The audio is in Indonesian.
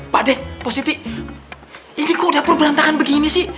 pak ade pak siti ini kok dapur berantakan begini sih